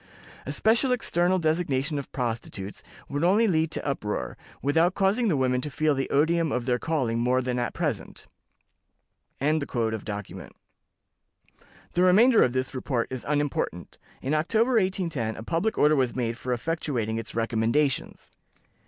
"A special external designation of prostitutes would only lead to uproar, without causing the women to feel the odium of their calling more than at present." The remainder of this report is unimportant. In October, 1810, a public order was made for effectuating its recommendations.